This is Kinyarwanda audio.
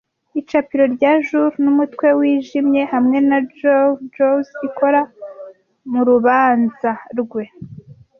Icapiro rya jour n'umutwe wijimye hamwe na jaws jaws ikora murubanza rwe,